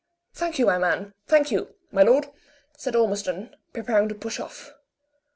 "Thank you, my man; thank you, my lord," said Ormiston, preparing to push off.